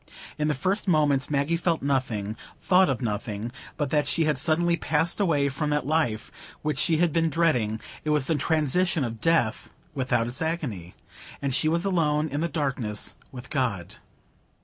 In the first moments Maggie felt nothing, thought of nothing, but that she had suddenly passed away from that life which she had been dreading; it was the transition of death, without its agony,—and she was alone in the darkness with God.